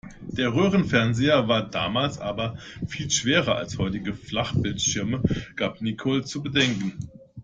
Der Röhrenfernseher war damals aber viel schwerer als heutige Flachbildschirme, gab Nicole zu bedenken.